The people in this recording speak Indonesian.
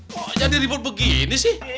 kok jadi ribut begini sih